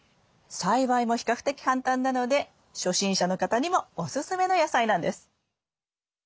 栽培も比較的簡単なので初心者の方にもおすすめの野菜なんです。